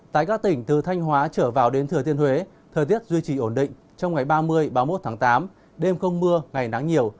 tại các tỉnh từ thanh hóa trở vào đến thừa thiên huế thời tiết duy trì ổn định trong ngày ba mươi ba mươi một tháng tám đêm không mưa ngày nắng nhiều